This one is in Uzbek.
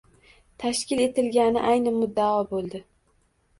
Tashkil etilgani ayni muddao bo‘ldi.